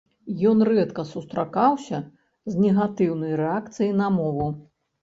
Ён рэдка сустракаўся з негатыўнай рэакцыяй на мову.